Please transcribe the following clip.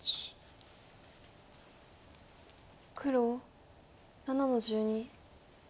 黒７の十二。